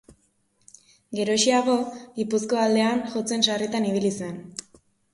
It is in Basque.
Geroxeago, Gipuzkoa aldean jotzen sarritan ibili zen.